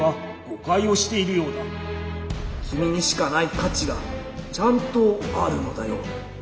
君にしかない価値がちゃんとあるのだよ。